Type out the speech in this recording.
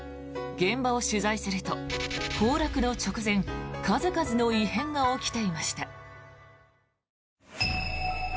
現場を取材すると、崩落の直前数々の異変が起きていました。